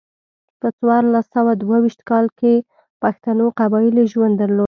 په څوارلس سوه دوه ویشت کال کې پښتنو قبایلي ژوند درلود.